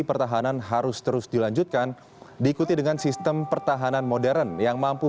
pertahanan harus terus dilanjutkan diikuti dengan sistem pertahanan modern yang mampu